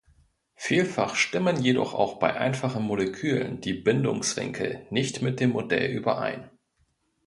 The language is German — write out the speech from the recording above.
Vielfach stimmen jedoch auch bei einfachen Molekülen die Bindungswinkel nicht mit dem Modell überein.